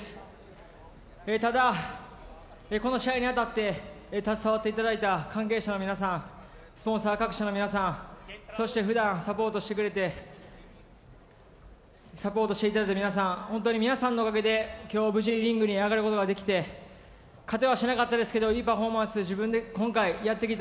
ただ、この試合に当たって携わっていただいた関係者の皆さん、スポンサー各社の皆さん、そしてふだんサポートしていただいている皆さん本当に皆さんのおかげで今日無事にリングに上がることができて勝てはしなかったですけど、自分で今回やってきた